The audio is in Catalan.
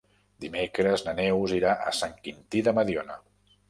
Dimecres na Neus irà a Sant Quintí de Mediona.